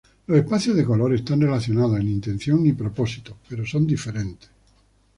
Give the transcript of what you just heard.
Los espacios de color están relacionados en intención y propósito, pero son diferentes.